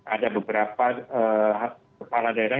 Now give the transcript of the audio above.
ada beberapa kepala daerah